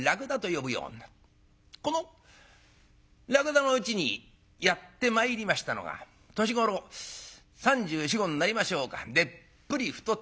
このらくだのうちにやって参りましたのが年頃３４３５になりましょうかでっぷり太った赤ら顔。